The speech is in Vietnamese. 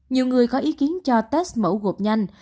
nhiều người có ý kiến cho test mẫu gộp nhanh